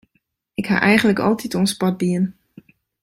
Ik ha eigentlik altyd oan sport dien.